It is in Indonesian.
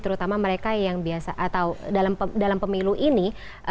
terutama mereka yang biasa atau dalam pemilu ini